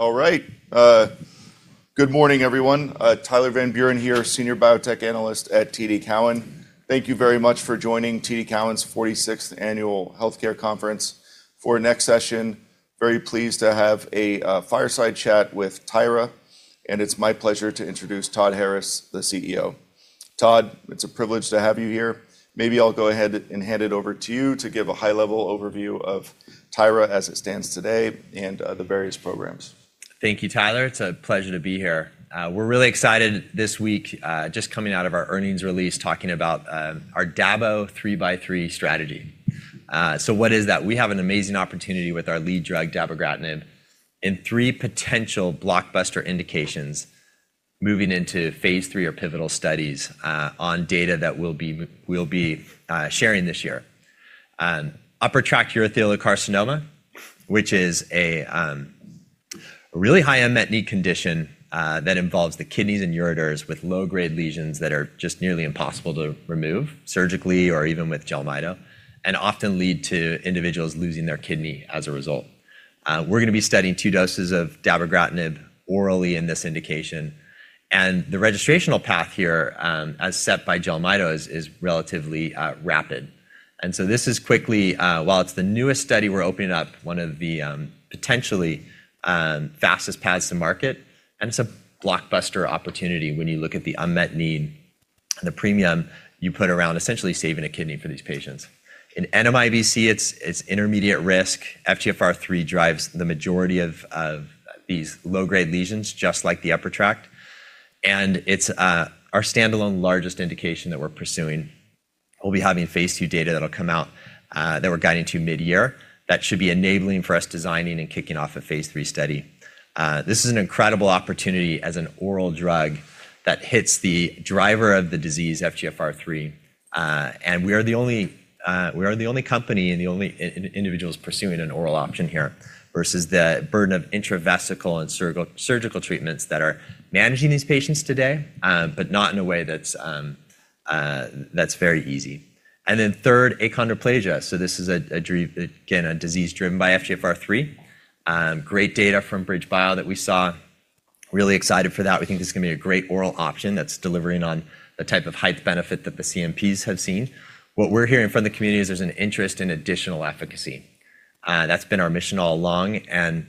All right. Good morning, everyone. Tyler Van Buren here, Senior Biotech Analyst at TD Cowen. Thank you very much for joining TD Cowen's 46th Annual Healthcare Conference. For our next session, very pleased to have a fireside chat with Tyra, and it's my pleasure to introduce Todd Harris, the CEO. Todd, it's a privilege to have you here. Maybe I'll go ahead and hand it over to you to give a high-level overview of Tyra as it stands today and the various programs. Thank you, Tyler. It's a pleasure to be here. We're really excited this week, just coming out of our earnings release talking about our Dabo 3x3 strategy. What is that? We have an amazing opportunity with our lead drug, Dabogratinib, in 3 potential blockbuster indications moving into phase 3 or pivotal studies, on data that we'll be sharing this year. Upper Tract Urothelial Carcinoma, which is a really high unmet need condition, that involves the kidneys and ureters with low-grade lesions that are just nearly impossible to remove surgically or even with Jelmyto, and often lead to individuals losing their kidney as a result. We're gonna be studying 2 doses of Dabogratinib orally in this indication. The registrational path here, as set by Jelmyto is relatively rapid. This is quickly, while it's the newest study, we're opening up one of the, potentially, fastest paths to market, and it's a blockbuster opportunity when you look at the unmet need and the premium you put around essentially saving a kidney for these patients. In NMIBC, it's intermediate risk. FGFR3 drives the majority of these low-grade lesions, just like the upper tract. It's our standalone largest indication that we're pursuing. We'll be having phase 2 data that'll come out, that we're guiding to mid-year. That should be enabling for us designing and kicking off a phase 3 study. This is an incredible opportunity as an oral drug that hits the driver of the disease, FGFR3. We are the only company and the only individuals pursuing an oral option here versus the burden of intravesical and surgical treatments that are managing these patients today, but not in a way that's very easy. Third, achondroplasia. This is again a disease driven by FGFR3. Great data from BridgeBio that we saw. Really excited for that. We think this is gonna be a great oral option that's delivering on the type of height benefit that the CNPs have seen. What we're hearing from the community is there's an interest in additional efficacy. That's been our mission all along.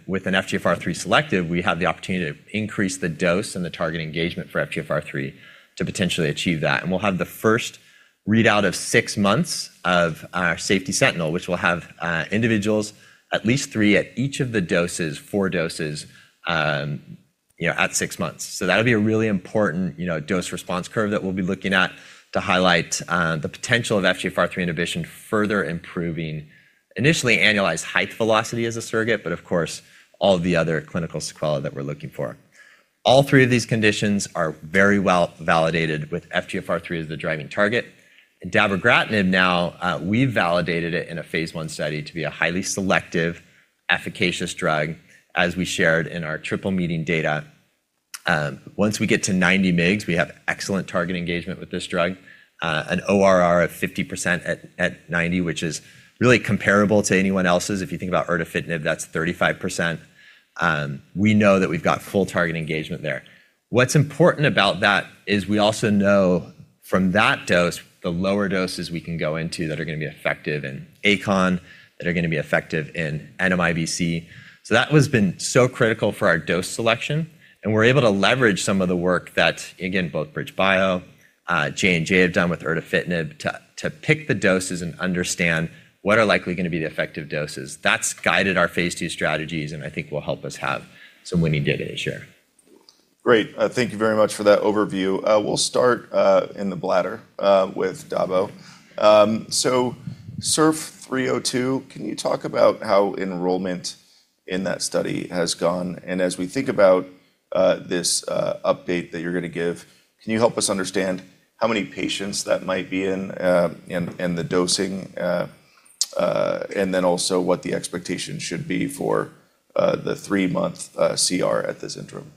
With an FGFR3 selective, we have the opportunity to increase the dose and the target engagement for FGFR3 to potentially achieve that. We'll have the first readout of 6 months of our safety sentinel, which will have individuals, at least 3 at each of the doses, 4 doses, you know, at 6 months. That'll be a really important, you know, dose response curve that we'll be looking at to highlight the potential of FGFR3 inhibition further improving initially annualized height velocity as a surrogate, but of course, all the other clinical sequela that we're looking for. All 3 of these conditions are very well validated with FGFR3 as the driving target. Dabogratinib now, we've validated it in a phase 1 study to be a highly selective efficacious drug as we shared in our Triple Meeting data. Once we get to 90 mgs, we have excellent target engagement with this drug, an ORR of 50% at 90, which is really comparable to anyone else's. If you think about erdafitinib, that's 35%. We know that we've got full target engagement there. What's important about that is we also know from that dose, the lower doses we can go into that are gonna be effective in Acon, that are gonna be effective in NMIBC. That has been so critical for our dose selection, and we're able to leverage some of the work that, again, both BridgeBio, J&J have done with erdafitinib to pick the doses and understand what are likely gonna be the effective doses. That's guided our phase 2 strategies and I think will help us have some winning data this year. Great. Thank you very much for that overview. We'll start in the bladder with Dabo. SURF302, can you talk about how enrollment in that study has gone? As we think about this update that you're gonna give, can you help us understand how many patients that might be in the dosing, and then also what the expectation should be for the 3-month CR at this interim?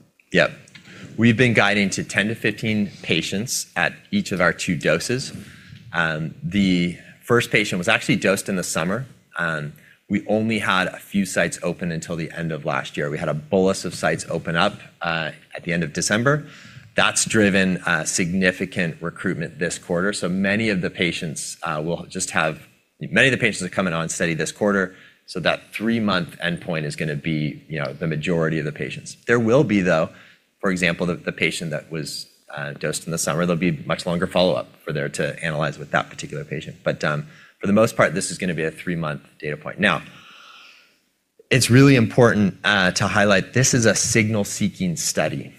We've been guiding to 10-15 patients at each of our 2 doses. The first patient was actually dosed in the summer, and we only had a few sites open until the end of last year. We had a bolus of sites open up at the end of December. That's driven significant recruitment this quarter. Many of the patients are coming on study this quarter, so that 3-month endpoint is gonna be, you know, the majority of the patients. There will be, though, for example, the patient that was dosed in the summer, there'll be much longer follow-up for there to analyze with that particular patient. For the most part, this is gonna be a 3-month data point. It's really important to highlight this is a signal-seeking study.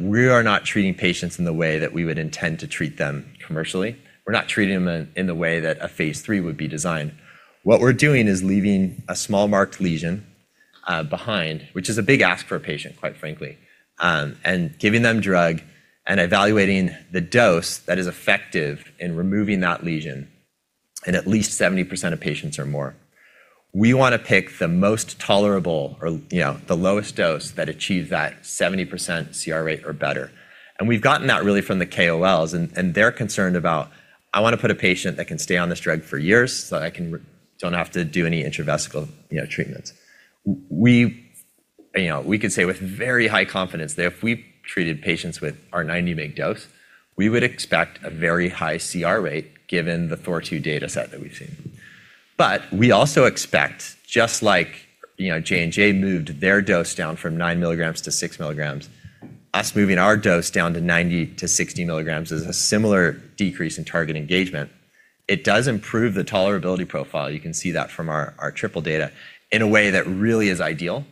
We are not treating patients in the way that we would intend to treat them commercially. We're not treating them in the way that a phase 3 would be designed. What we're doing is leaving a small marked lesion behind, which is a big ask for a patient, quite frankly, and giving them drug and evaluating the dose that is effective in removing that lesion in at least 70% of patients or more. We wanna pick the most tolerable or, you know, the lowest dose that achieve that 70% CR rate or better. We've gotten that really from the KOLs and they're concerned about, I want to put a patient that can stay on this drug for years, so I can Don't have to do any intravesical, you know, treatments. We, you know, we could say with very high confidence that if we treated patients with our 90 mg dose, we would expect a very high CR rate given the Thor-2 data set that we've seen. We also expect, just like, you know, J&J moved their dose down from 9 milligrams to 6 milligrams, us moving our dose down to 90 to 60 milligrams is a similar decrease in target engagement. It does improve the tolerability profile, you can see that from our Triple data, in a way that really is ideal.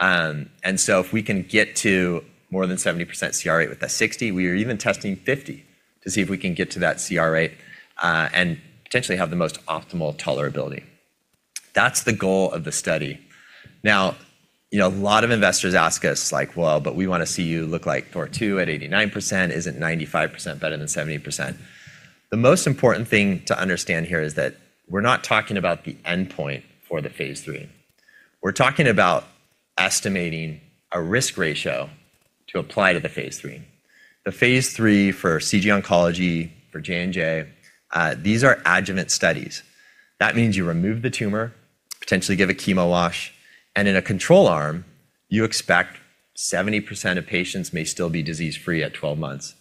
If we can get to more than 70% CR rate with the 60, we are even testing 50 to see if we can get to that CR rate, and potentially have the most optimal tolerability. That's the goal of the study. Now, you know, a lot of investors ask us like, "Well, but we wanna see you look like Thor-2 at 89%. Isn't 95% better than 70%?" The most important thing to understand here is that we're not talking about the endpoint for the phase III. We're talking about estimating a risk ratio to apply to the phase III. The phase III for CG Oncology, for J&J, these are adjuvant studies. That means you remove the tumor, potentially give a chemo wash, and in a control arm, you expect 70% of patients may still be disease-free at 12 months.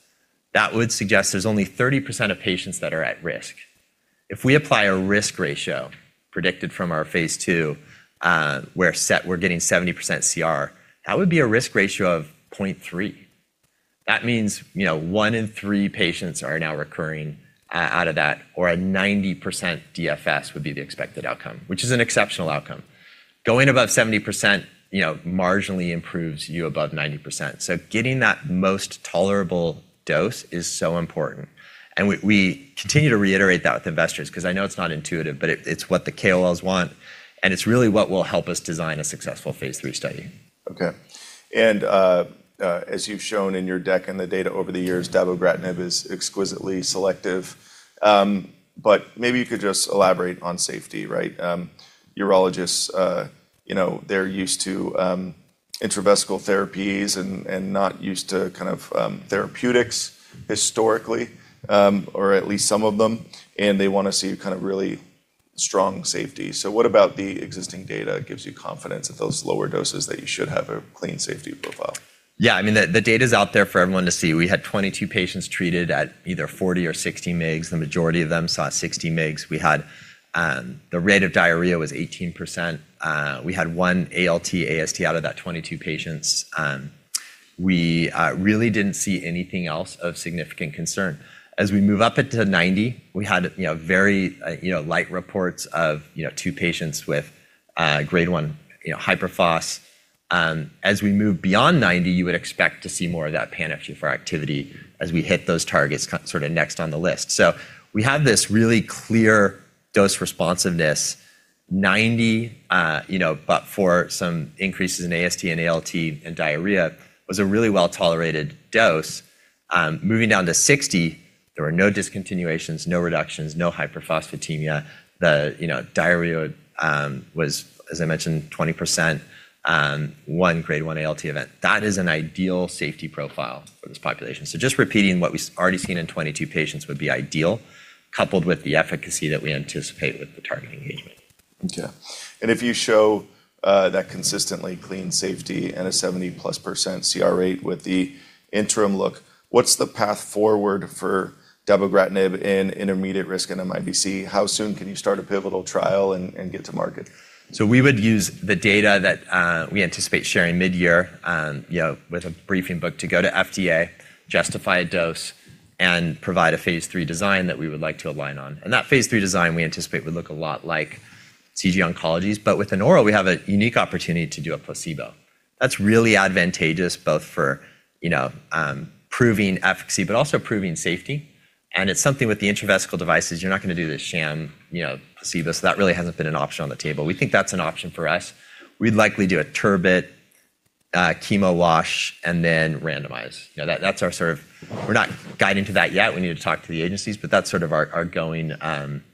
That would suggest there's only 30% of patients that are at risk. If we apply a risk ratio predicted from our phase II, where we're getting 70% CR, that would be a risk ratio of 0.3. That means, you know, 1 in 3 patients are now recurring out of that, or a 90% DFS would be the expected outcome, which is an exceptional outcome. Going above 70%, you know, marginally improves you above 90%. Getting that most tolerable dose is so important, and we continue to reiterate that with investors because I know it's not intuitive, but it's what the KOLs want, and it's really what will help us design a successful Phase 3 study. Okay. As you've shown in your deck and the data over the years, Dabogratinib is exquisitely selective, but maybe you could just elaborate on safety, right? Urologists, you know, they're used to intravesical therapies and not used to kind of therapeutics historically, or at least some of them, and they wanna see kind of really strong safety. What about the existing data gives you confidence at those lower doses that you should have a clean safety profile? I mean, the data's out there for everyone to see. We had 22 patients treated at either 40 or 60 mgs. The majority of them saw 60 mgs. We had the rate of diarrhea was 18%. We had one ALT, AST out of that 22 patients. We really didn't see anything else of significant concern. As we move up into 90, we had, you know, very, you know, light reports of, you know, 2 patients with Grade one, you know, hyperphos. As we move beyond 90, you would expect to see more of that pan-FGFR activity as we hit those targets sort of next on the list. We have this really clear dose responsiveness. 90, you know, but for some increases in AST and ALT and diarrhea, was a really well-tolerated dose. Moving down to 60, there were no discontinuations, no reductions, no hyperphosphatemia. The, you know, diarrhea was, as I mentioned, 20%, 1 grade 1 ALT event. That is an ideal safety profile for this population. Just repeating what we already seen in 22 patients would be ideal, coupled with the efficacy that we anticipate with the target engagement. Okay. If you show that consistently clean safety and a 70%+ CR rate with the interim look, what's the path forward for Dabogratinib in intermediate-risk NMIBC? How soon can you start a pivotal trial and get to market? We would use the data that we anticipate sharing mid-year, you know, with a briefing book to go to FDA, justify a dose, and provide a phase III design that we would like to align on. That phase III design, we anticipate, would look a lot like CG Oncology's. With an oral, we have a unique opportunity to do a placebo. That's really advantageous both for, you know, proving efficacy, but also proving safety, and it's something with the intravesical devices you're not gonna do the sham, you know, placebo, that really hasn't been an option on the table. We think that's an option for us. We'd likely do a TURBT, chemo wash, and then randomize. You know, that's our sort of. We're not guiding to that yet. We need to talk to the agencies, but that's sort of our going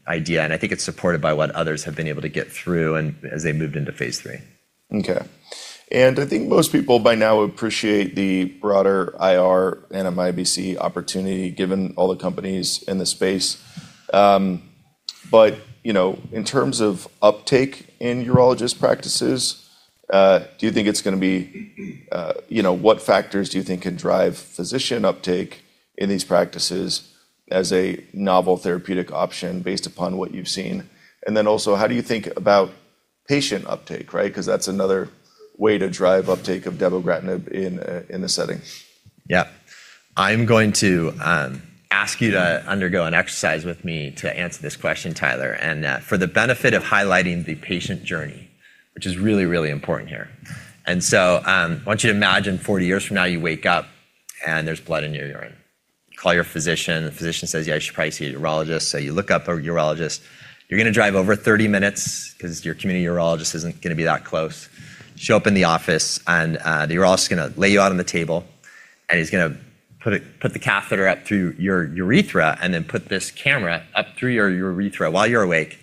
idea, and I think it's supported by what others have been able to get through and as they moved into phase III. Okay. I think most people by now appreciate the broader intermediate-risk and MIBC opportunity given all the companies in the space. You know, in terms of uptake in urologist practices, do you think it's gonna be, you know, what factors do you think can drive physician uptake in these practices as a novel therapeutic option based upon what you've seen? Then also, how do you think about patient uptake, right? 'Cause that's another way to drive uptake of Dabogratinib in the setting. Yeah. I'm going to ask you to undergo an exercise with me to answer this question, Tyler, for the benefit of highlighting the patient journey, which is really, really important here. I want you to imagine 40 years from now you wake up and there's blood in your urine. Call your physician, the physician says, "Yeah, you should probably see a urologist." You look up a urologist. You're gonna drive over 30 minutes 'cause your community urologist isn't gonna be that close. Show up in the office, the urologist is gonna lay you out on the table, and he's gonna put the catheter up through your urethra and then put this camera up through your urethra while you're awake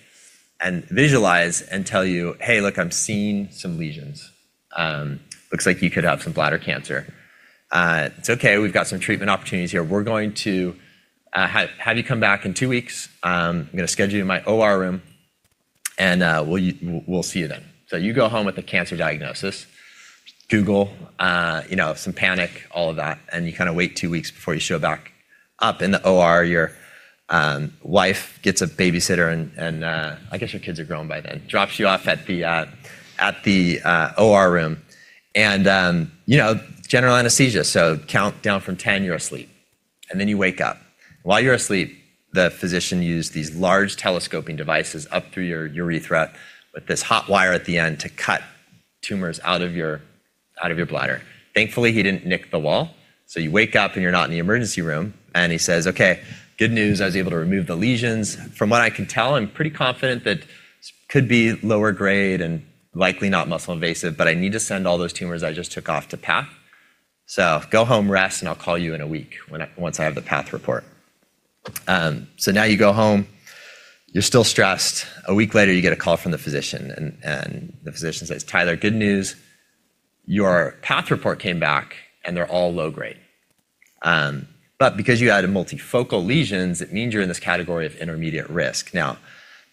and visualize and tell you, "Hey, look, I'm seeing some lesions. Looks like you could have some bladder cancer. It's okay, we've got some treatment opportunities here. We're going to have you come back in 2 weeks. I'm gonna schedule you in my OR room, and we'll see you then. You go home with a cancer diagnosis, Google, you know, some panic, all of that, and you kinda wait 2 weeks before you show back up in the OR. Your wife gets a babysitter and I guess your kids are grown by then, drops you off at the OR room. You know, general anesthesia, so count down from 10, you're asleep, and then you wake up. While you're asleep, the physician used these large telescoping devices up through your urethra with this hot wire at the end to cut tumors out of your, out of your bladder. Thankfully, he didn't nick the wall, so you wake up and you're not in the emergency room. He says, "Okay, good news, I was able to remove the lesions. From what I can tell, I'm pretty confident that could be lower grade and likely not muscle invasive, but I need to send all those tumors I just took off to path. Go home, rest, and I'll call you in a week when once I have the path report." Now you go home. You're still stressed. A week later, you get a call from the physician and the physician says, "Tyler, good news. Your path report came back, and they're all low grade. Because you had multifocal lesions, it means you're in this category of intermediate risk. Now,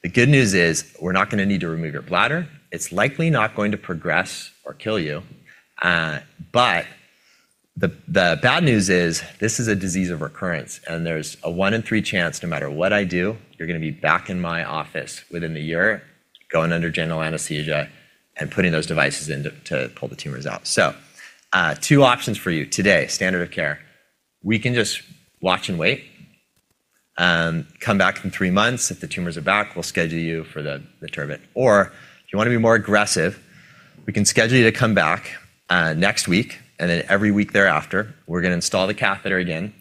the good news is we're not gonna need to remove your bladder. It's likely not going to progress or kill you. The bad news is this is a disease of recurrence, and there's a one in 3 chance, no matter what I do, you're gonna be back in my office within the year, going under general anesthesia, and putting those devices in to pull the tumors out. 2 options for you today, standard of care. We can just watch and wait, come back in 3 months. If the tumors are back, we'll schedule you for the TURBT. If you wanna be more aggressive, we can schedule you to come back next week, and then every week thereafter, we're gonna install the catheter again.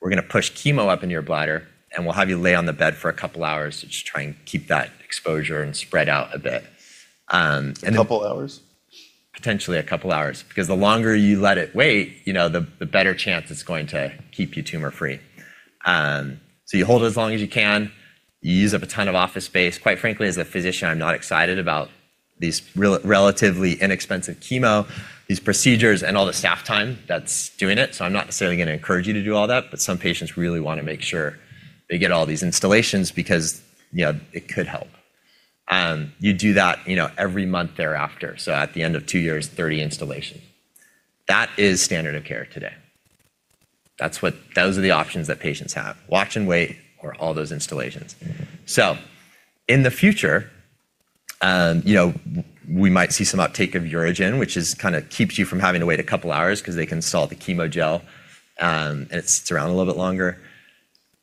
We're gonna push chemo up into your bladder, and we'll have you lay on the bed for a couple hours to just try and keep that exposure and spread out a bit. A couple hours? Potentially a couple hours because the longer you let it wait, you know, the better chance it's going to keep you tumor-free. You hold it as long as you can. You use up a ton of office space. Quite frankly, as a physician, I'm not excited about these relatively inexpensive chemo, these procedures, and all the staff time that's doing it, I'm not necessarily gonna encourage you to do all that. Some patients really wanna make sure they get all these installations because, you know, it could help. You do that, you know, every month thereafter. At the end of 2 years, 30 installations. That is standard of care today. That's what those are the options that patients have, watch and wait or all those installations. In the future, you know, we might see some uptake of UroGen, which is kinda keeps you from having to wait a couple hours 'cause they can install the chemo gel, and it sits around a little bit longer.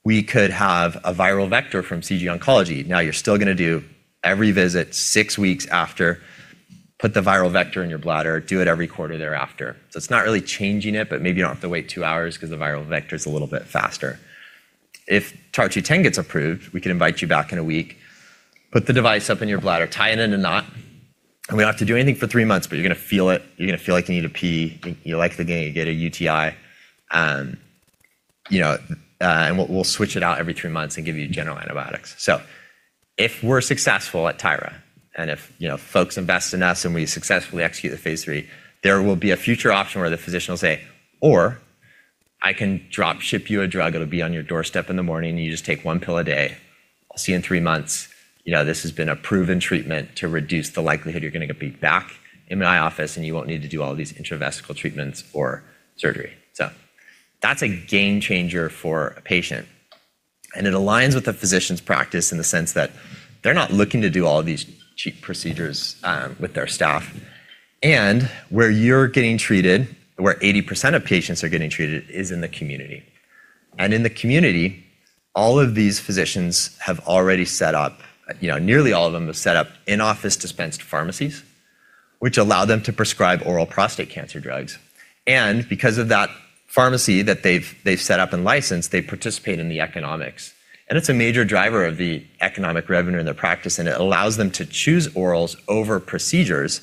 We could have a viral vector from CG Oncology. You're still gonna do every visit 6 weeks after, put the viral vector in your bladder, do it every quarter thereafter. It's not really changing it, but maybe you don't have to wait 2 hours 'cause the viral vector's a little bit faster. If TAR-200 gets approved, we can invite you back in a week, put the device up in your bladder, tie it in a knot, and we don't have to do anything for 3 months. You're gonna feel it. You're gonna feel like you need to pee. You're likely gonna get a UTI. You know, we'll switch it out every 3 months and give you general antibiotics. If we're successful at Tyra, if, you know, folks invest in us and we successfully execute the phase 3, there will be a future option where the physician will say, "I can drop ship you a drug. It'll be on your doorstep in the morning, and you just take one pill a day. I'll see you in 3 months. You know, this has been a proven treatment to reduce the likelihood you're gonna be back in my office, and you won't need to do all these intravesical treatments or surgery." That's a game changer for a patient, and it aligns with the physician's practice in the sense that they're not looking to do all these cheap procedures with their staff. Where you're getting treated, where 80% of patients are getting treated is in the community. In the community, all of these physicians have already set up, you know, nearly all of them have set up in-office dispensed pharmacies which allow them to prescribe oral prostate cancer drugs. Because of that pharmacy that they've set up and licensed, they participate in the economics. It's a major driver of the economic revenue in their practice, and it allows them to choose orals over procedures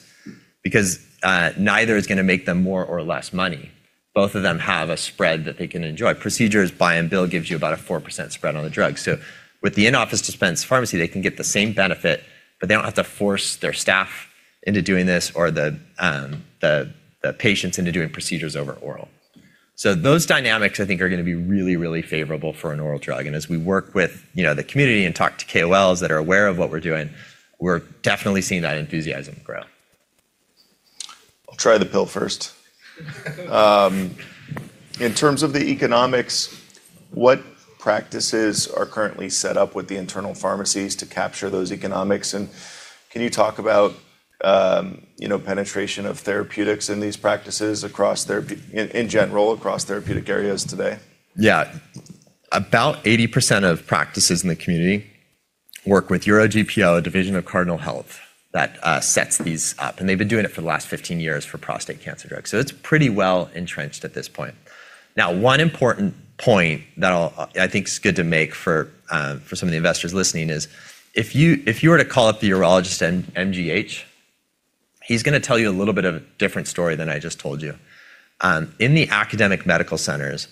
because neither is gonna make them more or less money. Both of them have a spread that they can enjoy. Procedures buy-and-bill gives you about a 4% spread on the drug. With the in-office dispensed pharmacy, they can get the same benefit, but they don't have to force their staff into doing this or the patients into doing procedures over oral. Those dynamics I think are gonna be really, really favorable for an oral drug. As we work with, you know, the community and talk to KOLs that are aware of what we're doing, we're definitely seeing that enthusiasm grow. I'll try the pill first. In terms of the economics, what practices are currently set up with the internal pharmacies to capture those economics? Can you talk about, you know, penetration of therapeutics in these practices in general across therapeutic areas today? Yeah. About 80% of practices in the community work with UroGPO, a division of Cardinal Health, that sets these up, and they've been doing it for the last 15 years for prostate cancer drugs. It's pretty well entrenched at this point. One important point that I think is good to make for some of the investors listening is if you, if you were to call up the urologist at MGH, he's gonna tell you a little bit of a different story than I just told you. In the academic medical centers.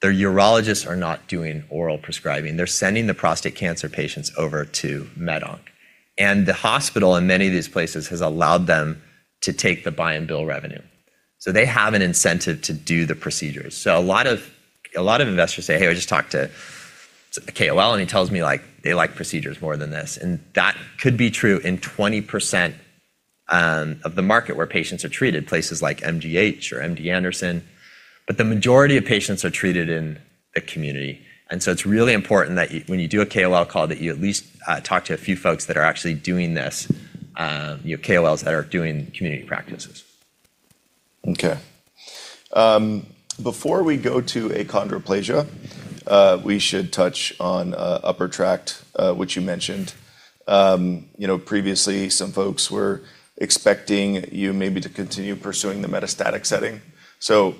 Their urologists are not doing oral prescribing. They're sending the prostate cancer patients over to Med-Onc. The hospital in many of these places has allowed them to take the buy-and-bill revenue. They have an incentive to do the procedures. A lot of investors say, "Hey, I just talked to a KOL, and he tells me, like, they like procedures more than this." That could be true in 20% of the market where patients are treated, places like MGH or MD Anderson, but the majority of patients are treated in the community. It's really important that when you do a KOL call that you at least talk to a few folks that are actually doing this, you know, KOLs that are doing community practices. Before we go to achondroplasia, we should touch on upper tract, which you mentioned. You know, previously some folks were expecting you maybe to continue pursuing the metastatic setting.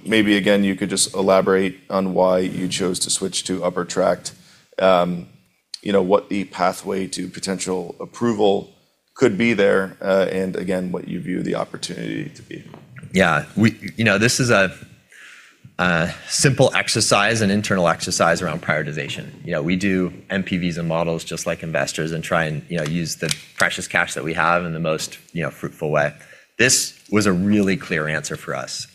Maybe again, you could just elaborate on why you chose to switch to upper tract, you know, what the pathway to potential approval could be there, and again, what you view the opportunity to be? You know, this is a simple exercise, an internal exercise around prioritization. You know, we do NPVs and models just like investors and try and, you know, use the precious cash that we have in the most, you know, fruitful way. This was a really clear answer for us.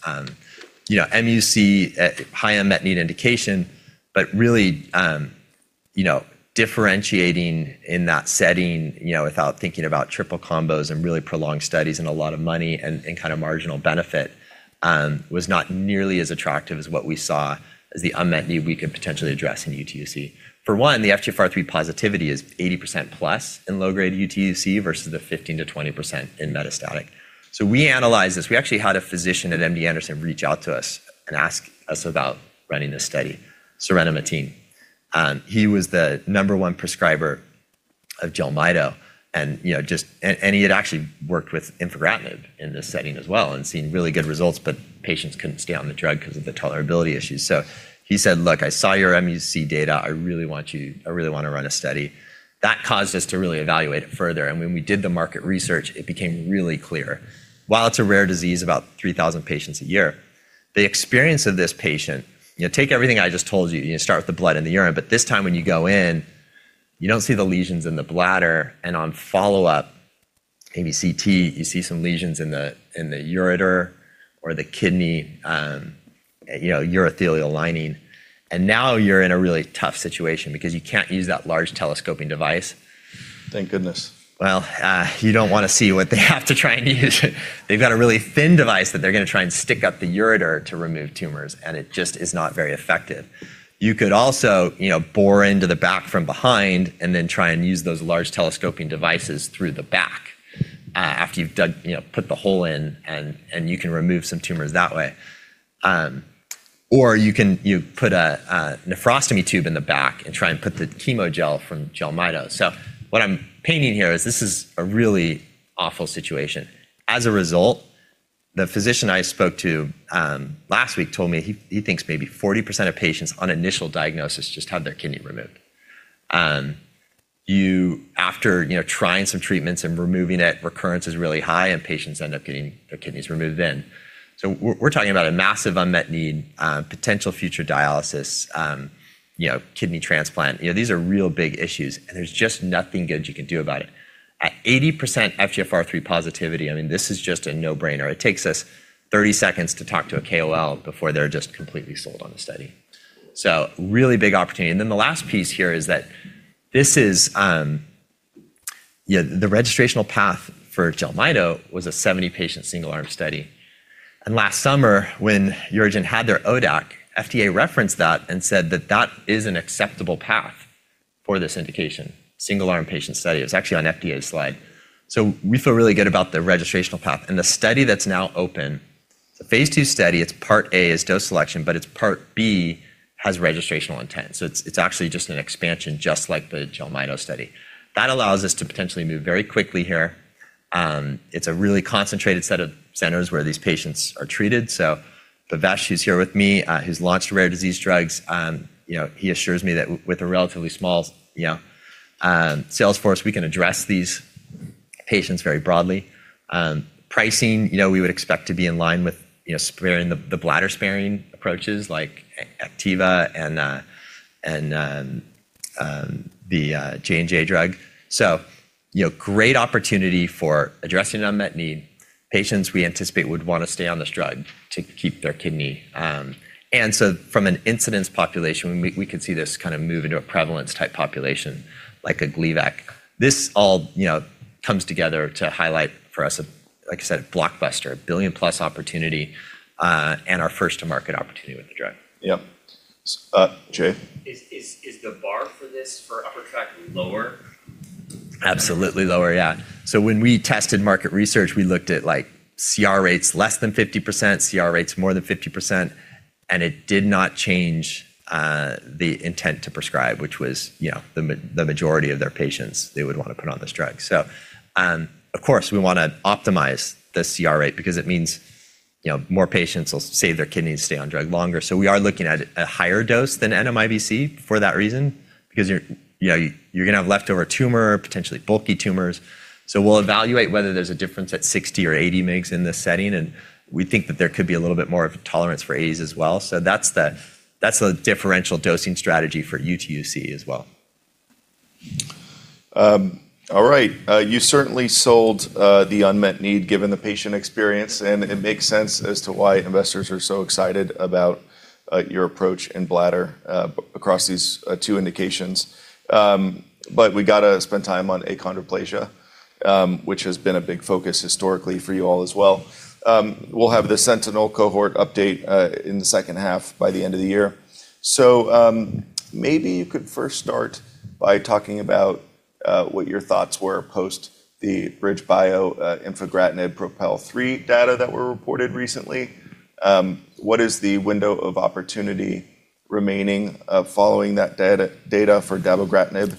You know, MUC, a high unmet need indication, but really, you know, differentiating in that setting, you know, without thinking about triple combos and really prolonged studies and a lot of money and kind of marginal benefit, was not nearly as attractive as what we saw as the unmet need we could potentially address in UTUC. For one, the FGFR3 positivity is 80% plus in low-grade UTUC versus the 15%-20% in metastatic. We analyzed this. We actually had a physician at MD Anderson reach out to us and ask us about running this study, Surena Matin. He was the number one prescriber of Jelmyto and, you know, he had actually worked with infigratinib in this setting as well and seen really good results, but patients couldn't stay on the drug 'cause of the tolerability issues. He said, "Look, I saw your MUC data. I really wanna run a study." That caused us to really evaluate it further, and when we did the market research, it became really clear. While it's a rare disease, about 3,000 patients a year, the experience of this patient, you know, take everything I just told you start with the blood and the urine, but this time when you go in, you don't see the lesions in the bladder and on follow-up, maybe CT, you see some lesions in the, in the ureter or the kidney, you know, urothelial lining. Now you're in a really tough situation because you can't use that large telescoping device. Thank goodness. Well, you don't wanna see what they have to try and use. They've got a really thin device that they're gonna try and stick up the ureter to remove tumors, and it just is not very effective. You could also, you know, bore into the back from behind and then try and use those large telescoping devices through the back, after you've dug, you know, put the hole in and you can remove some tumors that way. Or you can put a nephrostomy tube in the back and try and put the chemo gel from Jelmyto. What I'm painting here is this is a really awful situation. As a result, the physician I spoke to last week told me he thinks maybe 40% of patients on initial diagnosis just have their kidney removed. After trying some treatments and removing it, recurrence is really high, and patients end up getting their kidneys removed then. We're talking about a massive unmet need, potential future dialysis, kidney transplant. These are real big issues, and there's just nothing good you can do about it. At 80% FGFR3 positivity, this is just a no-brainer. It takes us 30 seconds to talk to a KOL before they're just completely sold on the study. Really big opportunity. The last piece here is that this is the registrational path for Jelmyto was a 70-patient single-arm study. Last summer, when UroGen had their ODAC, FDA referenced that and said that that is an acceptable path for this indication, single-arm patient study. It's actually on FDA's slide. We feel really good about the registrational path. The study that's now open, the phase 2 study, it's Part A is dose selection, but it's Part B has registrational intent. It's actually just an expansion just like the Jelmyto study. That allows us to potentially move very quickly here. It's a really concentrated set of centers where these patients are treated. Pavash, who's here with me, who's launched rare disease drugs, you know, he assures me that with a relatively small, you know, sales force, we can address these patients very broadly. Pricing, you know, we would expect to be in line with, you know, sparing the bladder-sparing approaches like A-Activa and the J&J drug. You know, great opportunity for addressing unmet need. Patients we anticipate would wanna stay on this drug to keep their kidney. From an incidence population, we could see this kind of move into a prevalence-type population like a Gleevec. This all, you know, comes together to highlight for us a, like I said, blockbuster, billion-plus opportunity, and our first-to-market opportunity with the drug. Yep. Jay? Is the bar for this for Upper Tract lower? Absolutely lower, yeah. When we tested market research, we looked at, like, CR rates less than 50%, CR rates more than 50%, and it did not change the intent to prescribe, which was, you know, the majority of their patients they would wanna put on this drug. Of course, we wanna optimize the CR rate because it means, you know, more patients will save their kidneys, stay on drug longer. We are looking at a higher dose than NMIBC for that reason. Because you're, you know, you're gonna have leftover tumor, potentially bulky tumors. We'll evaluate whether there's a difference at 60 or 80 mgs in this setting, and we think that there could be a little bit more of a tolerance for 80s as well. That's the differential dosing strategy for UTUC as well. All right. You certainly sold the unmet need given the patient experience, and it makes sense as to why investors are so excited about your approach in bladder across these 2 indications. We got to spend time on achondroplasia, which has been a big focus historically for you all as well. We'll have the Sentinel cohort update in the H2 by the end of the year. Maybe you could first start by talking about what your thoughts were post the BridgeBio infigratinib PROPEL 3 data that were reported recently. What is the window of opportunity remaining following that data for Dabogratinib?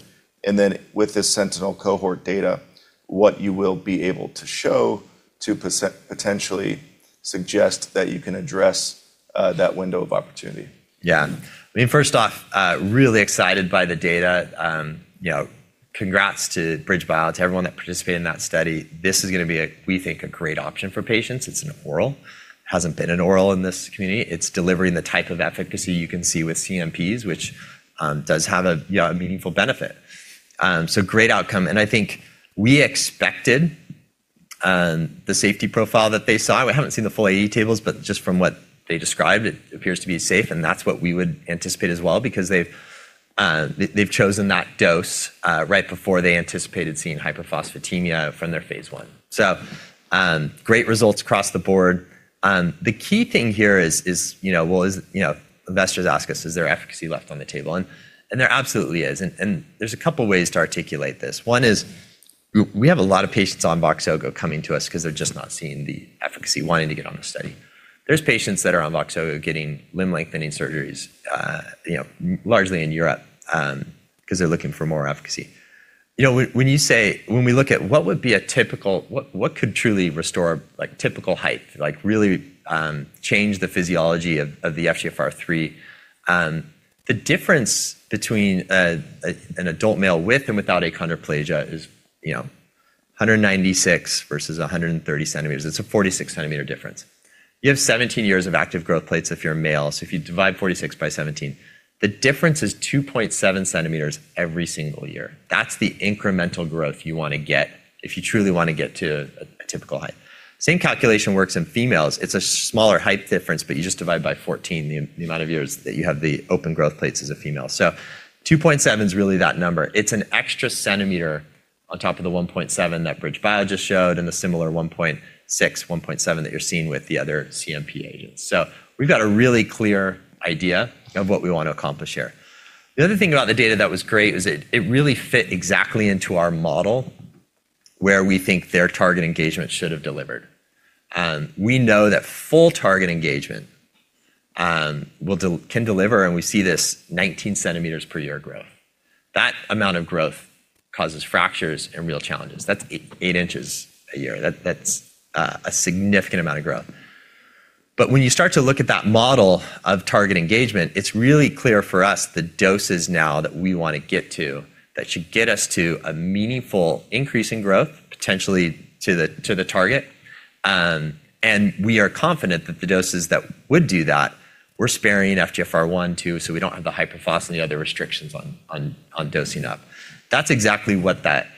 With the Sentinel cohort data, what you will be able to show to potentially suggest that you can address that window of opportunity. I mean, first off, really excited by the data. You know, congrats to BridgeBio, to everyone that participated in that study. This is gonna be a, we think, a great option for patients. It's an oral. Hasn't been an oral in this community. It's delivering the type of efficacy you can see with CNPs, which does have a, you know, a meaningful benefit. Great outcome. I think we expected the safety profile that they saw. I haven't seen the full AE tables, but just from what they described, it appears to be safe, and that's what we would anticipate as well because they've chosen that dose right before they anticipated seeing hypophosphatemia from their phase 1. Great results across the board. The key thing here is, you know, investors ask us, is there efficacy left on the table? There absolutely is. There's a couple of ways to articulate this. One is we have a lot of patients on Voxzogo coming to us 'cause they're just not seeing the efficacy wanting to get on the study. There's patients that are on Voxzogo getting limb lengthening surgeries, you know, largely in Europe, 'cause they're looking for more efficacy. You know, when we look at what would be a typical what could truly restore like typical height, like really, change the physiology of the FGFR3, the difference between an adult male with and without achondroplasia is, you know, 196 versus 130 centimeters. It's a 46 centimeter difference. You have 17 years of active growth plates if you're a male. If you divide 46 by 17, the difference is 2.7 centimeters every single year. That's the incremental growth you wanna get if you truly want to get to a typical height. Same calculation works in females. It's a smaller height difference, but you just divide by 14 the amount of years that you have the open growth plates as a female. 2.7's really that number. It's an extra centimeter on top of the 1.7 that BridgeBio just showed and the similar 1.6, 1.7 that you're seeing with the other CNP agents. We've got a really clear idea of what we want to accomplish here. The other thing about the data that was great was it really fit exactly into our model where we think their target engagement should have delivered. We know that full target engagement can deliver, and we see this 19 centimeters per year growth. That amount of growth causes fractures and real challenges. That's 8 inches a year. That's a significant amount of growth. When you start to look at that model of target engagement, it's really clear for us the doses now that we wanna get to that should get us to a meaningful increase in growth, potentially to the, to the target. We are confident that the doses that would do that, we're sparing FGFR1 too, so we don't have the hypophosphatemia, the restrictions on dosing up. That's exactly what that,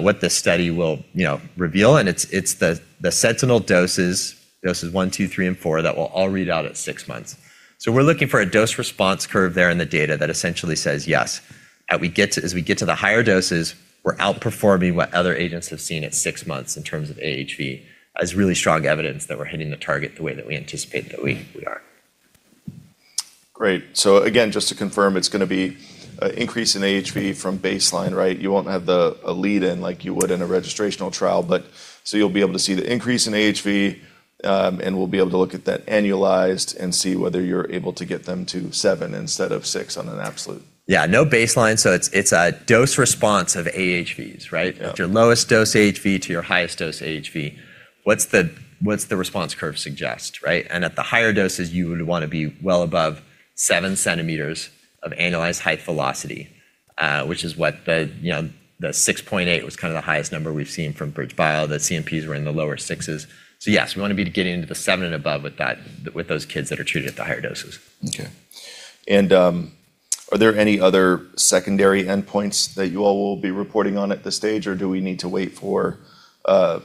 what the study will, you know, reveal. It's the Sentinel doses one, 2, 3, and 4, that will all read out at 6 months. We're looking for a dose response curve there in the data that essentially says, yes, as we get to the higher doses, we're outperforming what other agents have seen at 6 months in terms of AHV as really strong evidence that we're hitting the target the way that we anticipate that we are. Great. Again, just to confirm, it's gonna be an increase in AHV from baseline, right? You won't have a lead in like you would in a registrational trial. You'll be able to see the increase in AHV. We'll be able to look at that annualized and see whether you're able to get them to 7 instead of 6 on an absolute. Yeah. No baseline, so it's a dose response of AHVs, right? Yeah. At your lowest dose AHV to your highest dose AHV, what's the response curve suggest, right? At the higher doses, you would wanna be well above 7 centimeters of annualized height velocity, which is what the, you know, the 6.8 was kind of the highest number we've seen from BridgeBio, that CNPs were in the lower 6s. Yes, we wanna be getting into the 7 and above with those kids that are treated at the higher doses. Okay. Are there any other secondary endpoints that you all will be reporting on at this stage, or do we need to wait for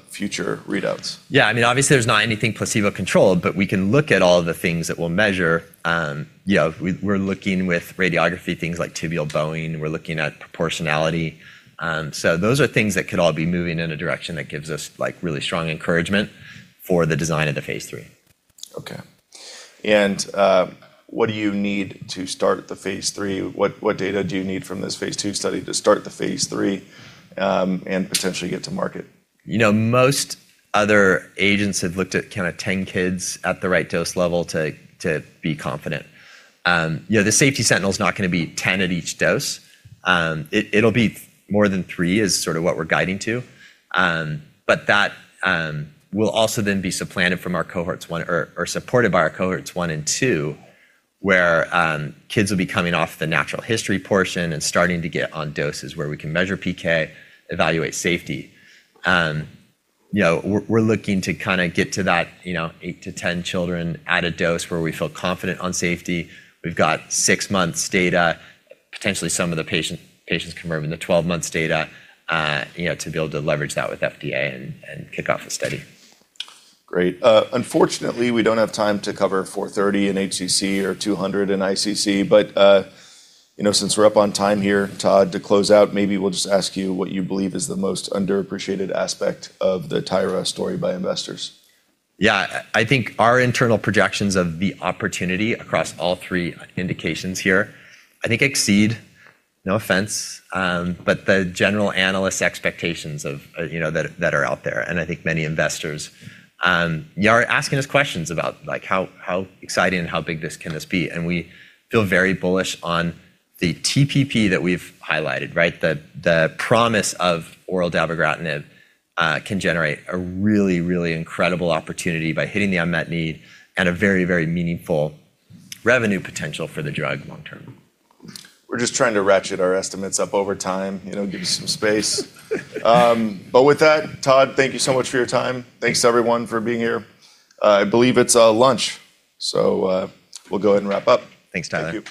future readouts? Yeah. I mean, obviously, there's not anything placebo-controlled, but we can look at all the things that we'll measure. You know, we're looking with radiography, things like tibial bowing, we're looking at proportionality. Those are things that could all be moving in a direction that gives us like really strong encouragement for the design of the phase 3. Okay. What do you need to start the phase 3? What data do you need from this phase 2 study to start the phase 3 and potentially get to market? You know, most other agents have looked at kinda 10 kids at the right dose level to be confident. You know, the safety sentinel is not gonna be 10 at each dose. It'll be more than 3 is sort of what we're guiding to. That will also then be supplanted from our cohorts 1 or supported by our cohorts 1 and 2, where kids will be coming off the natural history portion and starting to get on doses where we can measure PK, evaluate safety. You know, we're looking to kinda get to that, you know, 8 to 10 children at a dose where we feel confident on safety. We've got 6 months data, potentially some of the patients converted into 12 months data, you know, to be able to leverage that with FDA and kick off the study. Great. Unfortunately, we don't have time to cover 430 in HCC or 200 in ICC, but, you know, since we're up on time here, Todd, to close out, maybe we'll just ask you what you believe is the most underappreciated aspect of the Tyra story by investors. Yeah. I think our internal projections of the opportunity across all 3 indications here, I think exceed, no offense, but the general analyst expectations of, you know, that are out there. I think many investors are asking us questions about like how exciting and how big this can be, and we feel very bullish on the TPP that we've highlighted, right? The promise of oral Dabogratinib can generate a really incredible opportunity by hitting the unmet need and a very meaningful revenue potential for the drug long term. We're just trying to ratchet our estimates up over time, you know, give you some space. With that, Todd, thank you so much for your time. Thanks everyone for being here. I believe it's lunch, so we'll go ahead and wrap up. Thanks, Tyler.